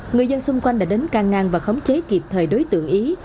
người dân xung quanh đã đến căng ngang và khống chế kịp thời đối tượng ý